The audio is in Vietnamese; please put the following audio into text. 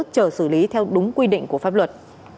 chờ xử lý theo đúng quy định của pháp luật